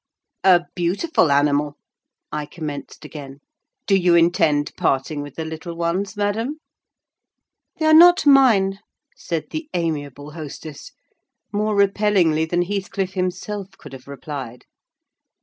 "A beautiful animal!" I commenced again. "Do you intend parting with the little ones, madam?" "They are not mine," said the amiable hostess, more repellingly than Heathcliff himself could have replied.